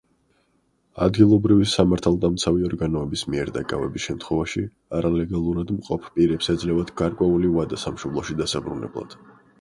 ადგილობრივი სამართალდამცავი ორგანოების მიერ დაკავების შემთხვევაში არალეგალურად მყოფ პირებს ეძლევათ გარკვეული ვადა სამშობლოში დასაბრუნებლად.